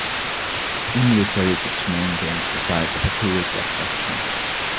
English Heritage maintains the site as a tourist attraction.